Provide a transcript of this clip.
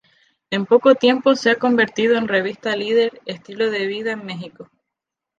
En poco tiempo se ha convertido en revista líder estilo de vida en Mexico.